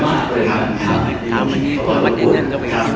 ก็คือทรัพย์สินนะครับ